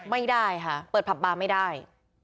ไม่ได้ค่ะเปิดผับบาร์ไม่ได้